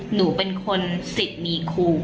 หนูเป็นคนสิทธิ์มีครู